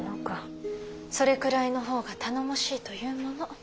それくらいの方が頼もしいというもの。